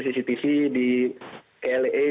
di tv di kle dua